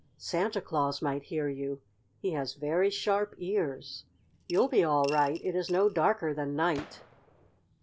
Santa Claus might hear you. He has very sharp ears. You'll be all right. It is no darker than night."